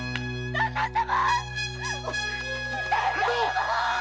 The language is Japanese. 旦那様‼